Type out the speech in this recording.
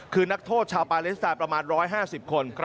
คือนักโทษชาวปาเลสไตน์ประมาณ๑๕๐คน